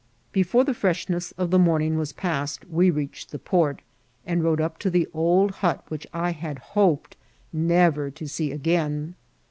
Before the freshness of the morning was past we reached the port, and rode up to the old hut which I had hoped nevet to see again.